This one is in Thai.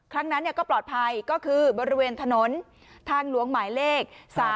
ครั้งนั้นก็ปลอดภัยก็คือบริเวณถนนทางหลวงหมายเลข๓๔